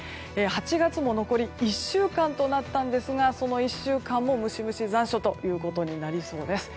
８月も残り１週間となったんですがその１週間もムシムシ残暑となりそうです。